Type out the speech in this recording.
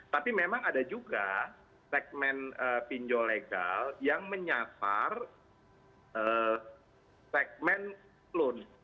tapi memang ada juga segmen pinjol legal yang menyasar segmen loan